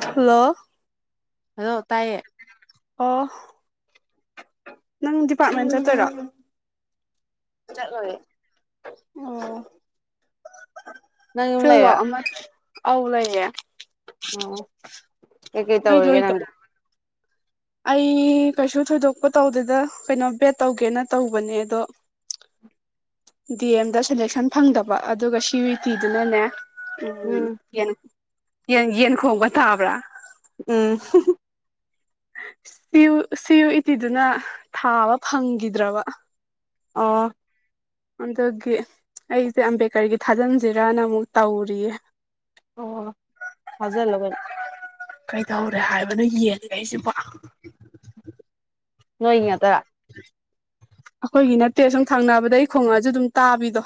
Hello ꯑꯗꯣ ꯇꯥꯏꯌꯦ ꯑꯣ ꯅꯪ ꯗꯤꯄꯥꯔꯠꯃꯦꯟ ꯆꯠꯇꯣꯏꯔꯣ ꯆꯠ ꯃꯦ ꯅꯪ ꯌꯨꯝ ꯐꯦꯋ ꯂꯩꯔ ꯑꯃ ꯑꯥꯎ ꯂꯩꯌꯦꯦ ꯑꯣ ꯀꯩ ꯇ ꯅꯣꯏ ꯑꯣꯏꯒ ꯂꯣꯏꯗꯣ ꯅꯪ ꯑꯩ ꯀꯩꯁꯨ ꯊꯣꯏꯗꯣꯛꯄ ꯇꯧꯗꯗ ꯀꯩꯅꯣ ꯕꯦꯠ ꯇꯧꯒꯦꯅ ꯇꯧꯕꯅꯦ ꯑꯗꯣ ꯎ ꯗꯤ ꯑꯦꯝꯗ ꯁꯦꯂꯦꯛꯁꯟ ꯐꯪꯗꯕ ꯑꯗꯨꯒ ꯁꯤ ꯌꯤ ꯇꯤꯗꯨꯅꯅꯦ ꯎꯝ ꯌꯦꯟ ꯌꯦꯟ ꯌꯦꯟꯈꯣꯡꯕ ꯊꯥꯕ꯭ꯔꯥ ꯎꯝ ꯁꯤ ꯁꯤꯌꯨ ꯏꯇꯤꯗꯨꯅ ꯊꯥꯕ ꯐꯪꯈꯤꯗ꯭ꯔꯕ ꯑꯣ ꯑꯗꯨꯗꯒꯤ ꯑꯩꯁꯦ ꯑꯝꯕꯦꯗꯀꯔꯒꯤ ꯊꯥꯖꯤꯟꯁꯤꯔꯅ ꯑꯃꯨꯛ ꯇꯧꯔꯤꯌꯦ ꯑꯣ ꯐꯥꯖꯜꯂꯣ ꯀꯩꯅꯣ ꯀꯩꯗꯧꯔꯦ ꯍꯥꯏꯕꯅꯣ ꯌꯦꯡ ꯑꯩꯁꯤꯕꯣ ꯅꯣꯏ ꯇ [inaudible] ꯑꯩꯈꯣꯏꯒꯤ ꯅꯠꯇꯦ ꯁꯨꯝ ꯊꯪꯅꯕꯗ ꯑꯩ ꯈꯣꯡꯉꯛꯑꯁꯨ ꯑꯗꯨꯝ ꯇꯥꯕꯤꯗꯣ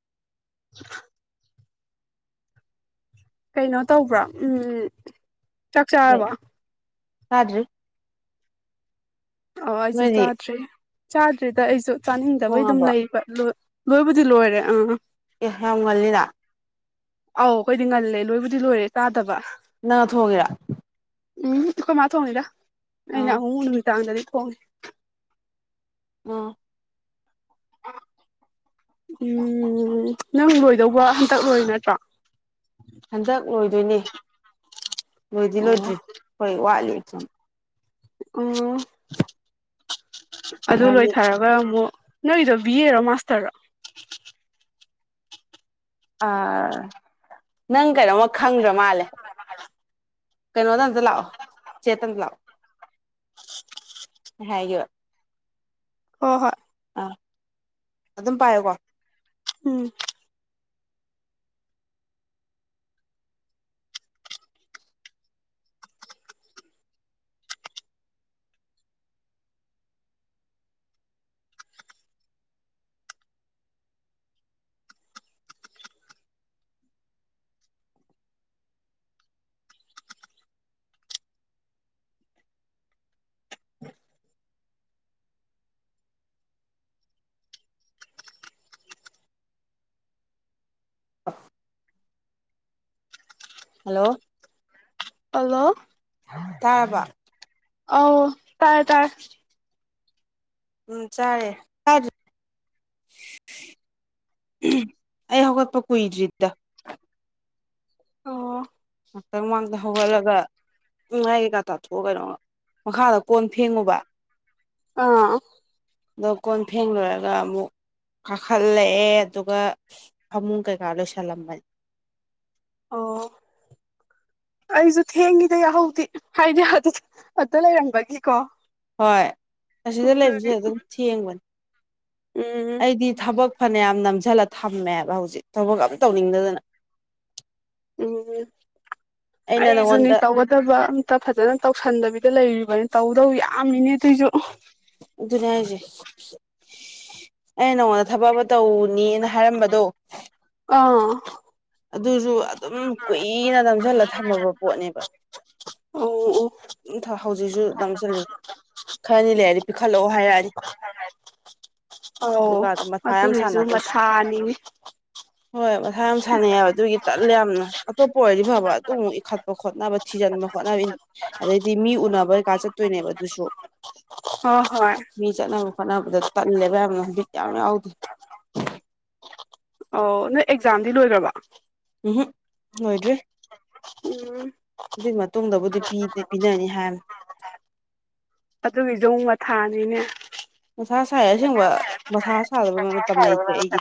ꯑ ꯀꯩꯅꯣ ꯇꯧꯕ꯭ꯔꯥ ꯎꯝ ꯆꯥꯛ ꯆꯥꯔꯕ ꯍꯥꯏꯗ꯭ꯔꯤ ꯑꯣ ꯑꯩꯁꯨ ꯆꯥꯗ꯭ꯔꯦ ꯆꯥꯗ꯭ꯔꯤꯗ ꯑꯩꯁꯨ ꯆꯥꯅꯤꯡꯗꯕꯩ ꯑꯗꯨꯝ ꯊꯣꯡꯉꯕꯣ ꯂꯩꯕ ꯂꯨ ꯂꯣꯏꯕꯨꯗꯤ ꯂꯣꯏꯔꯦ ꯑꯥ ꯑꯦ ꯍ ꯉꯜꯂꯤꯔꯥ ꯑꯧ ꯑꯩꯈꯣꯏꯗꯤ ꯉꯜꯂꯦ ꯂꯣꯏꯕꯨꯗꯤ ꯂꯣꯏꯔꯦ ꯀꯥꯗꯕ ꯅꯪꯅ ꯊꯣꯡꯉꯤꯔꯥ ꯎꯝ ꯀꯃ ꯊꯣꯡꯉꯤꯗ ꯑꯩꯅ ꯑꯥ ꯑꯃꯨꯛ ꯅꯨꯃꯤꯗꯥꯡꯗꯗꯤ ꯊꯣꯡꯉꯤ ꯑ [inaudible] ꯎꯝ ꯅꯪ ꯂꯣꯏꯗꯧꯕ ꯍꯟꯇꯛ ꯂꯣꯏꯔ ꯅꯠꯇ꯭ꯔꯣ ꯍꯟꯗꯛ ꯂꯣꯏꯗꯣꯏꯅꯦ ꯂꯣꯏꯗꯤ ꯑꯣ ꯂꯣꯏꯗ꯭ꯔꯤ ꯍꯣꯏ ꯋꯥꯠꯂꯤ ꯁꯨꯝ ꯑꯣ ꯑꯗꯨ ꯍꯥꯏꯗꯤ ꯂꯣꯏꯊꯔꯒ ꯑꯃꯨꯛ ꯅꯣꯏꯗꯣ ꯕꯤꯑꯔ ꯃꯥꯁꯇꯔ ꯑꯥ ꯅꯪ ꯀꯩꯅꯣꯝꯃ ꯈꯪꯗ꯭ꯔ ꯃꯥꯜꯂꯦ ꯀꯩꯅꯣꯗꯗ ꯂꯥꯛꯑꯣ ꯆꯦꯇꯗ ꯂꯥꯛꯑꯣ ꯍꯥꯏꯒꯤ ꯑꯣ ꯍꯣꯏ ꯑꯗꯨꯝ ꯄꯥꯏꯣꯀꯣ ꯎꯝ ꯑ ꯍꯜꯂꯣ ꯍꯜꯂꯣ ꯇꯥꯕ ꯑ ꯇꯥꯏꯦ ꯇꯥꯏꯔꯦ ꯎꯝ ꯆꯔꯦ ꯀ ꯑꯩ ꯍꯧꯒꯠꯄ ꯀꯨꯏꯗ꯭ꯔꯤꯠꯇ ꯑꯣ ꯉꯥꯏꯍꯥꯛꯇꯪ ꯃꯃꯥꯡꯗ ꯍꯧꯒꯠꯂꯒ ꯎꯝ ꯉꯥꯏ ꯀꯩꯀꯥ ꯇꯥꯊꯣꯛꯑ ꯀꯩꯅꯣ ꯃꯈꯥꯗ ꯀꯣꯟ ꯐꯦꯡꯉꯨꯕ ꯑꯥ ꯑꯗꯣ ꯀꯣꯟ ꯐꯦꯡ ꯂꯣꯏꯔꯒ ꯑꯃꯨꯛ ꯀꯥꯈꯠꯂꯛꯑꯦ ꯑꯗꯨꯒ ꯐꯃꯨꯡ ꯀꯩꯀꯥ ꯂꯣꯏꯁꯜꯂꯝꯃꯅꯤ ꯑꯣ ꯑꯩꯁꯨ ꯊꯦꯡꯉꯤꯗ ꯌꯥꯍꯧꯗꯤ ꯍꯥꯏꯗꯤ ꯑꯇ ꯂꯩꯔꯝꯕꯒꯤꯀꯣ ꯍꯣꯏ ꯑꯁꯤꯗ ꯂꯩꯕꯁꯦ ꯑꯗꯨꯒꯤ ꯑꯗꯨꯝ ꯊꯦꯡꯕꯅꯤ ꯎꯝ ꯑꯩꯗꯤ ꯊꯕꯛ ꯐꯅꯌꯥꯝ ꯅꯝꯁꯤꯜꯂ ꯊꯝꯃꯦꯕ ꯍꯧꯖꯤꯛ ꯊꯕꯛ ꯑꯝ ꯇꯧꯅꯤꯡꯗꯗꯅ ꯎꯝ ꯑꯩꯅ ꯑꯩꯁꯨꯅꯤ ꯅꯉꯣꯟꯗ ꯇꯧꯒꯗꯕ ꯑꯝꯇ ꯐꯖꯅ ꯇꯧꯁꯟꯗꯕꯤꯗ ꯂꯩꯔꯤ ꯕꯅꯤ ꯇꯧꯗꯧ ꯌꯥꯝꯃꯤꯅꯦ ꯑꯗꯨꯏꯁꯨ ꯑꯩ ꯅꯉꯣꯟꯗ ꯊꯕꯛ ꯑꯃ ꯇꯧꯅꯤꯅ ꯍꯥꯏꯔꯝꯕꯗꯣ ꯑꯥ ꯑꯗꯨꯁꯨ ꯑꯗꯨꯝ ꯀꯨꯏꯅ ꯅꯝꯁꯤꯜꯂ ꯊꯝꯃꯕ ꯄꯣꯠꯅꯦꯕ ꯑꯣ ꯑꯣ ꯍꯧꯖꯤꯛꯁꯨ ꯅꯪꯁꯤꯂꯤ ꯈꯔꯅꯤ ꯂꯩꯔꯗꯤ ꯄꯤꯈꯠꯂꯛꯑꯣ ꯍꯥꯏꯔꯛꯑꯅꯤ ꯑꯧ ꯑꯗꯨꯒꯗ ꯃꯊꯥ ꯌꯥꯝ ꯑꯗꯨꯒꯤꯁꯨ ꯁꯥꯟꯅꯗꯣꯏꯁꯤ ꯃꯊꯥꯅꯤꯅꯦ ꯍꯣꯏ ꯃꯁꯥ ꯌꯥꯝ ꯁꯥꯟꯅꯩꯌꯦꯕ ꯑꯗꯨꯒꯤ ꯇꯠꯂꯦ ꯌꯥꯝꯅ ꯑꯇꯣꯞꯄ ꯑꯣꯏꯔꯗꯤ ꯐꯕ ꯑꯗꯨꯃꯨꯛ ꯏꯈꯠꯄ ꯈꯣꯠꯅꯕ ꯊꯤꯖꯟ ꯈꯣꯠꯅꯕꯤ ꯑꯗꯩꯗꯤ ꯃꯤ ꯎꯅꯕ ꯀꯩꯀꯥ ꯆꯠꯇꯣꯏꯅꯦꯕ ꯑꯗꯨꯁꯨ ꯑꯣ ꯍꯣꯏ ꯐꯅꯗ ꯇꯜꯂꯦꯕ ꯌꯥꯝꯅ ꯍꯨꯖꯤꯛ ꯌꯥꯝ ꯌꯥꯎꯗꯦ ꯑꯧ ꯅꯣꯏ ꯑꯦꯛꯖꯥꯝꯗꯤ ꯂꯣꯏꯒ꯭ꯔꯕꯣ ꯎꯍꯨꯛ ꯂꯣꯏꯗ꯭ꯔꯤ ꯎꯝ ꯑꯗꯨꯏ ꯃꯇꯨꯡꯗꯕꯨꯗꯤ ꯄꯤꯗꯤ ꯄꯤꯅꯅꯤ ꯍꯥꯏꯝ ꯑꯗꯨꯒꯤꯖꯣꯡ ꯃꯊꯥꯅꯤꯅꯦ ꯃꯊꯥ ꯁꯥꯏ ꯑꯁꯦꯡꯕ ꯃꯊꯥ ꯁꯥꯗꯕ ꯃꯇꯝ ꯂꯩꯇꯦ ꯑꯩꯒꯤ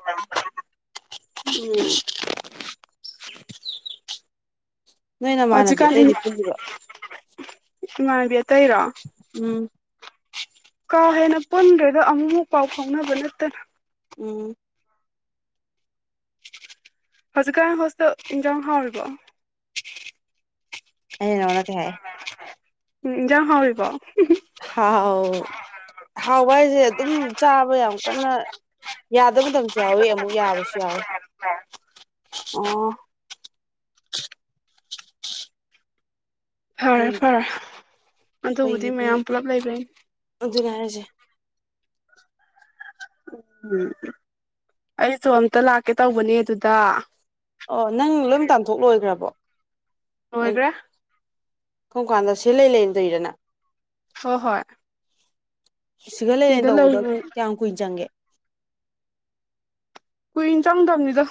ꯎꯝ ꯅꯣꯏ ꯑꯥꯖꯤꯛ ꯅꯃꯥꯟꯅꯕꯤ ꯀꯥꯟ ꯍꯤꯟ ꯑꯇꯩꯗꯤ ꯄꯨꯜꯂꯤꯕ ꯏꯃꯥꯟꯕꯤ ꯑꯇꯩꯔꯣ ꯎꯝ ꯀꯥ ꯍꯦꯟꯅ ꯄꯨꯟꯗ꯭ꯔꯦꯗ ꯑꯃꯨꯛꯃꯨꯛ ꯄꯥꯎ ꯐꯥꯎꯅꯕ ꯅꯠꯇꯅ ꯎꯝ ꯍꯧꯖꯤꯛꯀꯥꯟ ꯍꯣꯁꯇꯦꯜ ꯏꯟꯖꯥꯡ ꯍꯥꯎꯔꯤꯕꯣ ꯑꯩꯅ ꯅꯪꯉꯣꯟꯗ ꯀꯩ ꯍꯥꯏ ꯎꯝꯎꯝ ꯏꯟꯖꯥꯡ ꯍꯥꯎꯔꯤꯕꯣ ꯍꯥꯎ ꯍꯥꯎꯕ ꯍꯥꯏꯁꯦ ꯑꯗꯨꯝ ꯆꯥꯕ ꯌꯥꯝ ꯀꯟꯅ ꯌꯥꯗꯕ ꯃꯇꯝꯁꯨ ꯌꯥꯎꯋꯤ ꯑꯃꯨꯛ ꯌꯥꯕꯁꯨ ꯌꯥꯎꯋꯤ ꯑꯣ ꯐꯔꯦ ꯑꯩꯈꯣꯏꯒꯤ ꯐꯔꯦ ꯑꯗꯨꯕꯨꯗꯤ ꯑꯩꯈꯣꯏꯒꯤꯗꯤ ꯃꯌꯥꯝ ꯄꯨꯂꯞ ꯂꯩꯕꯩꯅꯤ ꯑꯗꯨꯅꯦ ꯍꯥꯏꯔꯤꯁꯦ ꯎꯝ ꯑꯩꯁꯨ ꯑꯝꯇ ꯂꯥꯛꯀꯦ ꯇꯧꯕꯅꯦ ꯑꯗꯨꯗ ꯑꯣ ꯅꯪ ꯂꯣꯏꯝ ꯇꯥꯟꯊꯣꯛ ꯂꯣꯏꯒꯔ꯭ꯕꯣ ꯂꯣꯏꯒ꯭ꯔꯦ ꯀꯝꯀꯥꯟꯗ ꯁꯤꯂꯩ ꯂꯩꯅ ꯇꯣꯏꯔꯥ ꯅꯪ ꯍꯣ ꯍꯣꯏ ꯁꯤꯒ ꯂꯩꯂꯩꯅ ꯁꯤꯗ ꯇꯧꯕꯗ ꯂꯩꯔꯤ ꯀꯌꯥꯝ ꯀꯨꯏꯅ ꯆꯪꯒꯦ ꯀꯨꯏꯅ ꯆꯪꯗꯝꯅꯤꯗ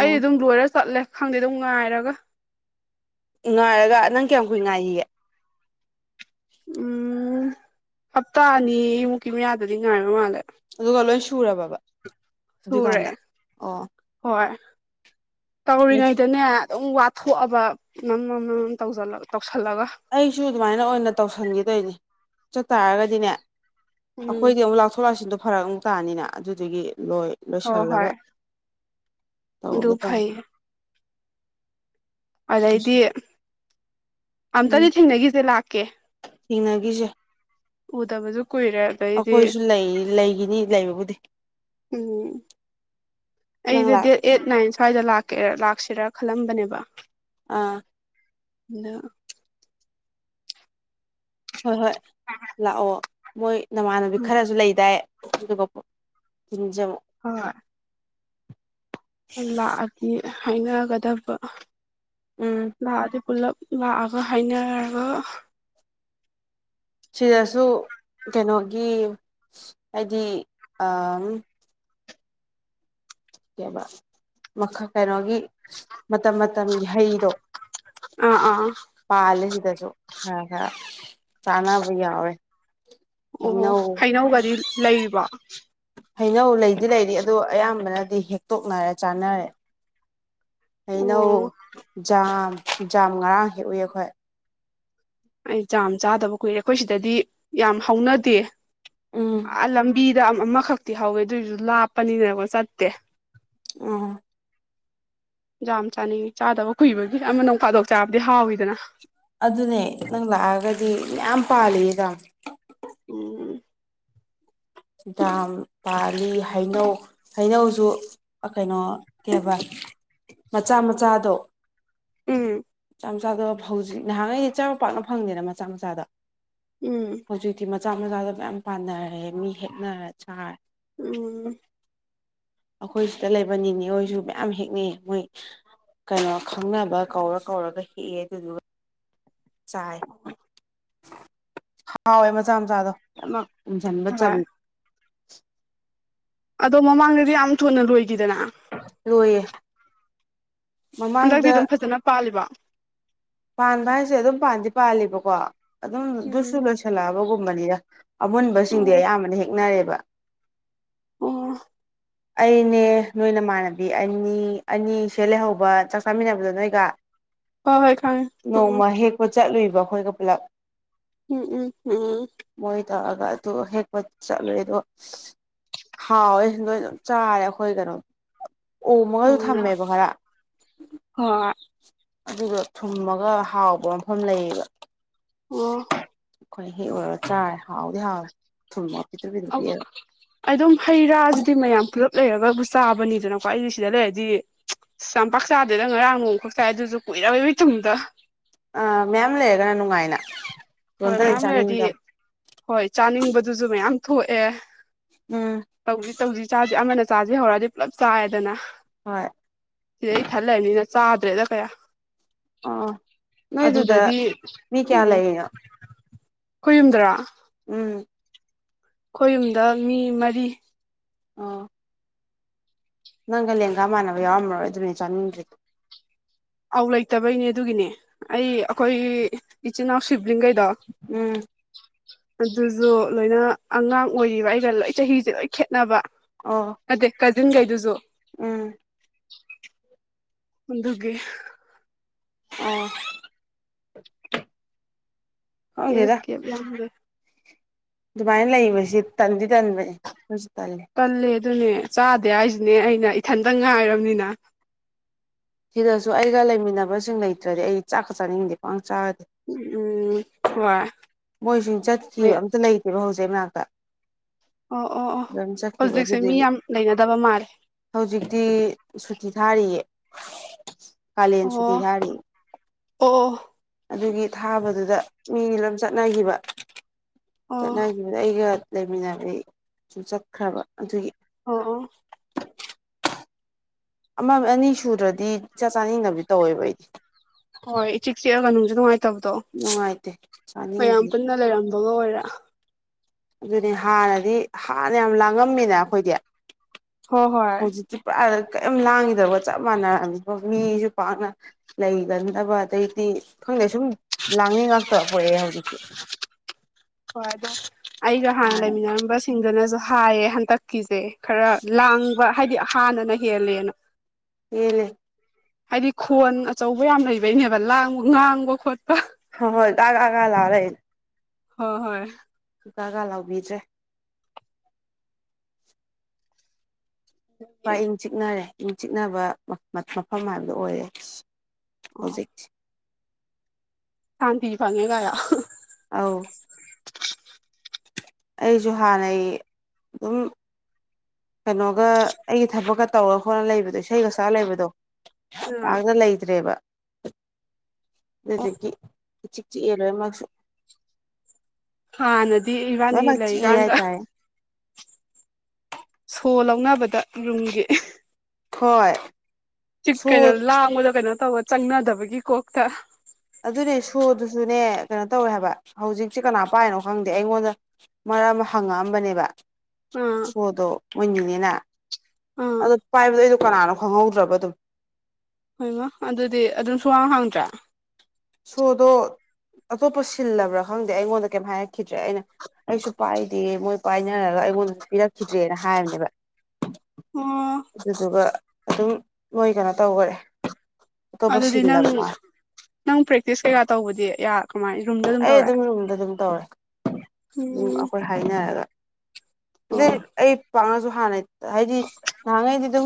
ꯑꯩ ꯑꯗꯨꯝ ꯂꯣꯏꯔ ꯆꯠꯂꯦ ꯈꯪꯗꯦ ꯗꯨꯝ ꯉꯥꯏꯔꯒ ꯉꯥꯏꯔꯒ ꯅꯪ ꯀꯌꯥꯝ ꯀꯨꯏꯅ ꯉꯥꯏꯒꯤꯒꯦ ꯎꯝ ꯍꯞꯇꯥ ꯑꯅꯤꯃꯨꯛꯀꯤ ꯃꯌꯥꯗꯗꯤ ꯉꯥꯏꯕ ꯃꯥꯜꯂꯦ ꯑꯗꯨꯒ ꯂꯣꯏ ꯁꯨꯔꯕꯥꯕ ꯁꯨꯔꯦ ꯗꯨꯏꯀꯥꯟꯗ ꯑꯣ ꯍꯣꯏ ꯇꯧꯔꯤꯉꯩꯗꯅꯦ ꯑꯗꯨꯝ ꯋꯥꯊꯣꯛꯑꯕ ꯃꯝ ꯃꯝ ꯇꯧꯖꯤꯜꯂꯕ ꯇꯧ ꯑꯩꯁꯨ ꯑꯗꯨꯃꯥꯏꯅ ꯑꯣꯏꯅ ꯇꯧꯁꯟꯒꯦ ꯇꯩꯅꯦ ꯆꯠ ꯇꯥꯥꯔꯒꯗꯤꯅꯦ ꯎꯝ ꯑꯈꯣꯏꯗꯤ ꯑꯃꯨꯛ ꯂꯥꯛꯊꯣꯛ ꯂꯥꯛꯁꯤꯟꯗꯣ ꯐꯔꯛ ꯑꯃꯨꯛ ꯇꯥꯅꯤꯅ ꯑꯗꯨꯗꯨꯒꯤ ꯂꯣꯏ ꯍꯣꯏ ꯂꯣꯏꯁꯤꯜꯂꯒ ꯍꯣꯏ ꯑꯗꯨ ꯇꯧꯔꯒꯦ ꯇꯧꯟ ꯐꯩ ꯑꯗꯩꯗꯤ ꯑꯝꯇꯗꯤ ꯊꯦꯡꯅꯒꯤꯖꯦ ꯂꯥꯛꯀꯦ ꯊꯦꯡꯅꯒꯤꯖꯦ ꯎꯗꯕꯖꯨ ꯑꯈꯣꯏꯁꯨ ꯂꯩꯏ ꯂꯩꯒꯤꯅꯤ ꯗꯦꯠ ꯎꯝ ꯅꯪ ꯑꯩꯁꯦ ꯂꯥꯛ ꯗꯦꯠ ꯑꯦꯠ ꯅꯥꯏꯟ ꯁ꯭ꯋꯥꯏꯗ ꯂꯥꯛꯀꯦꯔ ꯂꯥꯛꯁꯤꯔꯥ ꯈꯜꯂꯝꯕꯅꯦꯕ ꯑꯥ ꯅ ꯍꯣꯏ ꯍꯣꯏ ꯂꯥꯛꯑꯣ ꯃꯣꯏ ꯅꯃꯥꯟꯅꯕꯤ ꯎꯝ ꯈꯔꯖꯨ ꯂꯩꯗꯥꯏ [unintelligible] ꯄꯄ [unintelligible] ꯍꯣꯏ ꯂꯥꯛꯑꯗꯤ ꯍꯩꯅꯒꯗꯕ ꯎꯝ ꯂꯥꯛꯑꯗꯤ ꯄꯨꯜꯂꯞ ꯂꯥꯛꯑꯒ ꯍꯥꯏꯅꯔꯒ ꯁꯤꯗꯁꯨ ꯀꯩꯅꯣꯒꯤ ꯍꯥꯏꯗꯤ ꯑꯥꯝ ꯇꯦꯕ ꯃꯈ ꯀꯩꯅꯣꯒꯤ ꯃꯇꯝ ꯃꯇꯝꯒꯤ ꯍꯩꯗꯣ ꯑꯥ ꯑꯥ ꯄꯥꯜꯂꯦ ꯁꯤꯗꯁꯨ ꯈ ꯒ ꯆꯅꯥꯕ ꯌꯥꯎꯔꯦ ꯑꯣ ꯍꯩꯅꯧ ꯍꯩꯅꯧꯒꯗꯤ ꯂꯩꯔꯤꯕꯣ ꯍꯩꯅꯧ ꯂꯩꯗꯤ ꯂꯩꯔꯤ ꯑꯗꯨ ꯑꯌꯥꯝꯕꯅꯗꯤ ꯍꯦꯛꯇꯣꯛꯅꯔꯦ ꯆꯥꯅꯔꯦ ꯑꯣ ꯍꯩꯅꯧ ꯖꯥꯝ ꯖꯥꯝ ꯉꯔꯥꯡ ꯍꯦꯛꯎꯏ ꯑꯩꯈꯣꯏ ꯑꯩ ꯆ ꯆꯥꯗꯕ ꯀꯨꯏꯔꯦ ꯑꯩꯈꯣꯏ ꯁꯤꯗꯗꯤ ꯌꯥꯝ ꯍꯧꯅꯗꯦ ꯎꯝ ꯑ ꯂꯝꯕꯤ ꯑꯗꯨꯗ ꯑꯃꯈꯛꯇꯤ ꯍꯧꯋꯦ ꯑꯗꯨꯑꯣꯏꯁꯨ ꯂꯥꯞꯄꯅꯤꯅꯀꯣ ꯆꯠꯇꯦ ꯑ ꯌꯥꯝ ꯆꯥꯅꯤꯡꯏꯤ ꯆꯥꯗꯕ ꯀꯨꯏꯕꯒꯤ ꯑꯃꯅ ꯄꯥꯗꯣꯛ ꯆꯥꯕꯗꯤ ꯍꯥꯎꯋꯤꯗꯅ ꯑꯗꯨꯅꯦ ꯅꯪ ꯂꯥꯛꯑꯒꯗꯤ ꯌꯥꯝ ꯄꯥꯜꯂꯤꯗ ꯎꯝ ꯗꯥꯝ ꯄꯥꯔꯤ ꯍꯩꯅꯧ ꯍꯩꯅꯧꯁꯨ ꯀꯩꯅꯣ ꯀꯦꯕ ꯃꯆꯥ ꯃꯆꯥꯗꯣ ꯎꯝ ꯃꯆꯥ ꯃꯆꯥꯗꯣ ꯍꯧꯖꯤꯛ ꯅꯍꯥꯟꯈꯩꯗꯤ ꯏ ꯆꯥꯅ ꯄꯥꯛꯅ ꯐꯪꯗꯦꯅ ꯃꯆꯥ ꯃꯆꯥꯗ ꯎꯝ ꯍꯧꯖꯤꯛꯇꯤ ꯃꯆꯥ ꯃꯆꯥꯗ ꯃꯌꯥꯝ ꯄꯥꯟꯅꯔꯦ ꯃꯤ ꯍꯦꯛꯅꯔ ꯆꯥꯔꯦ ꯎꯝ ꯑꯩꯈꯣꯏ ꯁꯤꯗ ꯂꯩꯕꯅꯤꯅꯦ ꯑꯩꯣꯏꯁꯨ ꯃꯌꯥꯝ ꯍꯦꯛꯅꯩ ꯃꯣꯏ ꯀꯩꯅꯣ ꯈꯪꯅꯕ ꯀꯧꯔ ꯀꯧꯔꯒ ꯍꯦꯛꯑꯦ ꯑꯗꯨꯗꯨꯒ ꯆꯥꯏ ꯍꯥꯎꯋꯦ ꯃꯆꯥ ꯃꯆꯥꯗꯣ ꯌꯥꯝꯅ ꯎꯟꯁꯤꯟꯕ ꯍꯣꯏ ꯆꯂ ꯑꯗꯣ ꯃꯃꯥꯡꯗꯗꯤ ꯌꯥꯝ ꯊꯨꯅ ꯂꯣꯏꯈꯤꯗꯅ ꯔꯣꯏꯌꯦꯦ ꯍꯟꯗꯛꯇꯤ ꯑꯗꯨꯝ ꯐꯖꯅ ꯄꯥꯜꯂꯤꯕ ꯄꯥꯟꯕ ꯍꯥꯏꯁꯦ ꯑꯗꯨꯝ ꯄꯥꯟꯗꯤ ꯄꯥꯜꯂꯤꯕꯀꯣ ꯑꯗꯨꯝ ꯁꯨ ꯎꯝ ꯂꯣꯏꯁꯤꯜꯂꯛꯑꯕꯒꯨꯝꯕꯅꯤꯗ ꯑꯃꯨꯟꯕꯁꯤꯡꯗꯤ ꯑꯣ ꯑꯌꯥꯝꯕꯅ ꯍꯦꯛꯅꯔꯦꯕ ꯑꯣ ꯑꯩꯅꯦ ꯅꯣꯏ ꯅꯃꯥꯟꯅꯕꯤ ꯑꯅꯤ ꯑꯅꯤꯁꯦ ꯂꯩꯍꯧꯕ ꯆꯥꯛ ꯆꯥꯃꯤꯟꯅꯕꯗꯣ ꯅꯣꯏꯒ ꯍꯣꯏ ꯍꯣꯏ ꯈꯪꯉꯦ ꯎꯝ ꯅꯣꯡꯃ ꯍꯦꯛꯄ ꯆꯠꯂꯨꯏꯕ ꯑꯩꯈꯣꯏꯒ ꯄꯨꯂꯞ ꯎꯝ ꯎꯝ ꯎꯝ ꯇꯛꯑꯒ ꯑꯗꯨ ꯍꯦꯛꯄ ꯆꯠꯂꯦ ꯑꯗꯣ ꯍꯥꯎꯋꯦ ꯅꯣꯏ ꯑꯗꯨ ꯆꯥꯔꯦ ꯑꯩꯈꯣꯏ ꯀꯩꯅꯣ ꯑꯣꯝꯃꯒꯁꯨ ꯎꯝ ꯊꯝꯃꯦꯕ ꯍꯥꯏꯔ ꯍꯣꯏ ꯑꯗꯨꯒ ꯊꯨꯝꯃꯒ ꯍꯥꯎꯕ ꯃꯐꯝ ꯂꯩꯌꯦꯕ ꯑꯣ ꯑꯩꯈꯣꯏꯅ ꯍꯦꯛ ꯑꯣꯏꯔꯒ ꯆꯥꯔꯦ ꯍꯥꯎꯗꯤ ꯍꯥꯎꯋꯦ ꯊꯨꯝꯃ ꯑꯗꯨ ꯑꯗꯨꯝ ꯍꯩ ꯔꯥꯁꯤꯗꯤ ꯃꯌꯥꯝ ꯄꯨꯂꯞ ꯂꯩꯔꯒꯕꯨ ꯆꯥꯕꯅꯤꯗꯅꯀꯣ ꯑꯩꯗꯤ ꯁꯤꯗ ꯂꯩꯔꯗꯤ ꯆꯝꯄꯥꯛꯥꯛ ꯆꯥꯗꯦꯗ ꯉꯔꯥꯡ ꯅꯣꯡꯈꯛ ꯆꯥꯏ ꯑꯗꯨꯁꯨ ꯀꯨꯏꯔꯔꯕꯏꯕ ꯇꯨꯝꯗ ꯑ ꯃꯦꯝ ꯂꯩꯔꯒꯅ ꯅꯨꯡꯉꯥꯏꯅ ꯍꯣꯏ ꯂꯣꯟꯇꯔꯤ ꯃꯌꯥꯝ ꯂꯩꯔꯗꯤ ꯆꯥꯅꯤꯡꯗꯕ ꯍꯣꯏ ꯆꯥꯅꯤꯡꯕꯗꯨꯁꯨ ꯃꯌꯥꯝ ꯊꯣꯛꯑꯦ ꯎꯝ ꯇꯧꯁꯤ ꯇꯧꯁꯤ ꯆꯥꯁꯦ ꯑꯃꯅ ꯆꯥꯁꯦ ꯍꯧꯔꯛꯑꯗꯤ ꯄꯨꯂꯞ ꯆꯥꯏꯗꯅ ꯍꯣꯏ ꯁꯤꯗꯩ ꯑꯩ ꯊꯜꯂꯛꯑꯅꯤꯅ ꯆꯥꯗ꯭ꯔꯦꯗ ꯀꯌꯥ ꯑꯥ ꯅꯣꯏꯗꯨꯗ ꯑꯗꯨꯗꯗꯤ ꯃꯤ ꯀꯌꯥ ꯎꯝ ꯂꯩꯔꯤꯅꯣ ꯑꯈꯣꯏꯌꯨꯝꯗꯔꯣ ꯎꯝ ꯈꯣꯏꯌꯨꯝꯗ ꯃꯤ ꯃꯔꯤ ꯑ [unintelligible] ꯅꯪꯒ ꯂꯦꯡꯒꯥ ꯃꯥꯟꯅꯕ ꯌꯥꯎꯔꯝꯃꯔꯣꯏ ꯑꯗꯨꯅꯦ ꯆꯥꯅꯤꯡꯗ꯭ꯔꯤꯗ ꯑꯧ ꯂꯩꯇꯕꯩꯅꯦ ꯑꯗꯨꯒꯤꯅꯦ ꯑꯩ ꯑꯩꯈꯣꯏ ꯏꯆꯤꯟꯜꯅꯥꯎ ꯁꯤꯕꯂꯤꯡꯒꯩ ꯎꯝ ꯑꯗꯨꯁꯨ ꯂꯣꯏꯅ ꯑꯉꯥꯡ ꯑꯣꯏꯔꯤꯕ ꯑꯩꯒ ꯂꯣꯏ ꯆꯍꯤꯁꯦ ꯂꯣꯏ ꯈꯦꯠꯅꯕ ꯑꯣ ꯑꯗ ꯀꯥꯖꯤꯟꯈꯩꯗꯨꯁꯨ ꯎꯝ ꯑꯣꯗꯨꯒꯤ ꯑ [unintelligible] ꯈꯪꯗꯦꯗ ꯌꯦꯀꯤꯦꯦ [unintelligible] ꯑꯗꯨꯃꯥꯏꯅ ꯂꯩꯕꯁꯤ ꯇꯟꯗꯤ ꯇꯟꯕꯅꯦ ꯑꯗꯨꯁꯨ ꯇꯜꯂ ꯇꯜꯂꯦ ꯑꯗꯨꯅꯦ ꯆꯥꯗꯦ ꯍꯥꯏꯁꯤꯅꯦ ꯑꯩꯅ ꯏꯊꯟꯇ ꯉꯥꯏꯔꯕꯔꯕꯅꯤꯅ ꯁꯤꯗꯁꯨ ꯑꯩꯒ ꯂꯩꯃꯤꯟꯅꯕꯁꯤꯡ ꯂꯩꯇ꯭ꯔꯗꯤ ꯑꯩ ꯆꯥꯛꯀ ꯆꯥꯅꯤꯡꯗꯦ ꯄ ꯎꯝ ꯍꯣꯏ ꯃꯣꯏꯁꯨ ꯆꯠꯈꯤꯕ ꯑꯝꯇ ꯂꯩꯇꯦꯕ ꯍꯧꯖꯤꯛꯅꯥꯛꯇ ꯑ [unintelligible] ꯑꯣ ꯑꯣ ꯑꯣ ꯍꯧꯖꯤꯛꯁꯦ ꯃꯤ ꯌꯥꯝ ꯂꯩꯅꯗꯕ ꯃꯥꯜꯂꯦ ꯍꯧꯖꯤꯛꯇꯤ ꯁꯨꯇꯤ ꯊꯥꯔꯤꯌꯦ ꯀꯥꯂꯤꯦꯟ ꯑꯣ ꯁꯊꯤ ꯊꯥꯔꯤ꯫ ꯑꯣ ꯑꯗꯨꯒꯤ ꯊꯥꯕꯗꯨꯗ ꯃꯤꯅꯤ ꯂꯝ ꯆꯠꯅꯈꯤꯕ ꯑꯣ ꯑꯣ ꯆꯠꯅꯈꯤꯕꯗ ꯑꯩꯒ ꯂꯩꯃꯤꯟꯅꯔ ꯁꯨ ꯆꯠꯈ꯭ꯔꯕ ꯑꯗꯨꯒꯤ ꯑꯣ ꯑꯃꯛ ꯑꯅꯤ ꯁꯨꯗ꯭ꯔꯗꯤꯥ ꯆꯥꯀꯆꯥꯅꯤꯡꯗꯕꯤ ꯇꯧꯋꯦꯕ ꯑꯩꯗꯤ ꯍꯣꯏ ꯏ ꯆꯤꯛ ꯆꯤꯛꯑꯒ ꯅꯨꯡꯁꯨ ꯅꯨꯡꯉꯥꯏꯇꯕꯗꯣ ꯅꯨꯡꯉꯥꯏꯇꯦ ꯃꯌꯥꯝ ꯆꯥꯅꯤꯡꯗꯦ ꯄꯨꯟꯅ ꯂꯩꯔꯝꯃꯤ ꯃꯉ ꯑꯣꯏꯔ ꯑꯗꯨꯅꯤ ꯍꯥꯟꯅꯗꯤ ꯍꯥꯟꯅ ꯌꯥꯝ ꯂꯥꯡꯉꯝꯃꯤꯅ ꯑꯩꯈꯣꯏꯗꯤ ꯍꯣꯏ ꯍꯣꯏ ꯍꯧꯖꯤꯀꯇꯤ ꯄꯨꯔꯥ ꯀꯩꯝ ꯂꯥꯡꯈꯤꯗꯕ ꯆꯞ ꯃꯥꯟꯅꯔꯝꯃꯤꯕ ꯃꯤꯁꯨ ꯄꯥꯛꯅ ꯂꯩꯒꯟꯗꯕ ꯑꯗꯩꯗꯤ ꯈꯪꯗꯦ ꯁꯨꯝ ꯂꯥꯡꯅꯤ ꯉꯥꯛꯇ ꯄꯑꯦ ꯍꯧꯖꯤꯛꯁ ꯍꯣꯏ ꯑꯗ ꯑꯩꯒ ꯍꯥꯟꯅ ꯂꯩꯃꯤꯟꯅꯔꯝꯕꯁ ꯁꯤꯡꯗꯨꯅꯁꯨ ꯍꯥꯏꯌꯦ ꯍꯟꯗꯛꯀꯤꯁꯦ ꯈꯔ ꯂꯥꯡꯕ ꯍꯥꯏꯗꯤ ꯍꯥꯟꯅꯅ ꯍꯦꯜꯂꯦꯅ ꯍꯦꯜꯂꯦ ꯍꯥꯏꯗꯤ ꯈꯣꯟ ꯑꯆꯧꯕ ꯌꯥꯝ ꯂꯩꯕꯩꯅꯦꯕ ꯂꯥꯡꯕ ꯉꯥꯡꯕ ꯈꯣꯠꯄ ꯍ ꯍꯣꯏ ꯇꯒꯥꯒꯥ ꯂꯔꯦ ꯍꯣꯏ ꯍꯣꯏ ꯀꯀꯥ ꯀꯥ ꯂꯥꯎꯕꯤꯗ꯭ꯔꯦ ꯄꯨꯔ ꯏꯪ ꯆꯤꯛꯅꯔꯦ ꯏꯪ ꯆꯤꯛꯅꯕ ꯃꯐꯝ ꯍꯥꯏꯕꯗꯣ ꯑꯣꯏꯔꯦ ꯑꯣ ꯍꯧꯖꯤꯛ ꯁꯥꯟꯇꯤ ꯐꯥꯡꯑꯀꯥꯏꯅꯥ ꯑꯥꯎ ꯑꯩꯁꯨ ꯍꯥꯟꯅꯩ ꯑꯗꯨꯝ ꯀꯩꯅꯣꯒ ꯑꯩꯒꯤ ꯊꯕꯛꯀ ꯇꯧꯔ ꯈꯣꯠꯂ ꯂꯩꯕ ꯑꯗꯨꯗ ꯏꯁꯩꯒꯁꯥ ꯂꯩꯕꯗꯣ ꯑꯥ ꯄꯥꯡꯅ ꯂꯩꯇ꯭ꯔꯦꯕ ꯑꯗꯨꯖꯤꯛꯀꯤ ꯆꯤꯛ ꯆꯤꯛꯑ ꯂꯣꯏ ꯃꯥꯁꯨ ꯍꯥꯟꯅꯗꯤ ꯏꯕꯥꯅꯤ ꯆꯤꯛꯑꯦ ꯂꯩꯀꯥꯟꯗ ꯍꯥꯏꯇꯥꯔꯦ ꯁꯣ ꯂꯧꯅꯕꯗ ꯔꯨꯝꯒꯤ ꯍꯣꯏ ꯁꯨ ꯀꯩꯅꯣ ꯂꯥꯡꯕꯗꯣ ꯀꯩꯅꯣ ꯇꯧꯕ ꯆꯪꯅꯗꯕꯒꯤ ꯀꯣꯛꯇ ꯑꯗꯨꯅꯦ ꯁꯣꯗꯨꯁꯨꯅꯦ ꯀꯩꯅꯣ ꯇꯧꯋꯦ ꯍꯥꯏꯕ ꯍꯧꯖꯤꯛꯁꯦ ꯀꯅꯥ ꯄꯥꯏꯅꯣ ꯈꯪꯗꯦ ꯑꯩꯉꯣꯟꯗ ꯑꯔꯝꯕ ꯍꯪꯉꯛꯑꯝꯕꯅꯦꯕ ꯑꯥ ꯁꯣꯗꯣ ꯃꯣꯏꯅꯤꯅꯤꯅꯦ ꯑꯥ ꯑꯗꯣ ꯄꯥꯏꯕꯗꯣ ꯑꯩꯗꯣ ꯀꯅꯥꯅꯣ ꯈꯪꯍꯧꯗ꯭ꯔꯕ ꯑꯗꯨꯝ ꯍꯣꯏꯃ ꯑꯗꯨꯗꯤ ꯑꯗꯨꯝ ꯁꯨꯋꯥꯡ ꯍꯥꯡꯗ꯭ꯔꯥ ꯁꯨꯗꯣ ꯑꯇꯣꯞꯄ ꯁꯤꯜꯂꯕ꯭ꯔꯥ ꯈꯪꯗꯦ ꯑꯩꯉꯣꯟꯗ ꯀꯩꯝ ꯍꯥꯏꯔꯛꯈꯤꯗ꯭ꯔꯦ ꯑꯩꯅ ꯑꯩꯁꯨ ꯄꯥꯏꯗꯦ ꯃꯣꯏ ꯄꯥꯏꯅꯔꯒ ꯑꯩꯉꯣꯟꯗꯁꯨ ꯄꯤꯔꯛꯈꯤꯗ꯭ꯔꯦꯅ ꯍꯥꯏꯕꯅꯦꯕ ꯑꯣ ꯑꯗꯨꯗꯨꯒ ꯑꯗꯨꯝ ꯃꯣꯏ ꯀꯩꯅꯣ ꯇꯧꯈꯔꯦ ꯑꯇꯣꯞꯄ ꯑꯗꯨꯗꯤ ꯅꯪ ꯁꯤꯜꯂꯕ ꯃꯥꯜꯂꯦ ꯅꯪ ꯄ꯭ꯔꯦꯛꯇꯤꯁ ꯀꯩꯀꯥ ꯇꯧꯕꯗꯤ ꯀꯃꯥꯏ ꯔꯨꯝꯗ ꯑꯩ ꯇꯧꯔꯦ ꯑꯗꯨꯝ ꯔꯨꯝꯗ ꯑꯗꯨꯝ ꯇꯧꯔꯦ ꯑꯗꯨꯝ ꯎꯝ ꯑꯩꯈꯣꯏ ꯍꯥꯏꯅꯔꯒ ꯑꯣ ꯑꯗꯨꯗꯤ ꯑꯩ ꯄꯥꯛꯉꯁꯨ ꯍꯥꯟꯅꯩ ꯍꯥꯏꯗꯤ ꯅꯍꯥꯟꯉꯩꯗꯤꯗꯤ